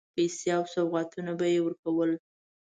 پیسې او سوغاتونه به یې ورکول.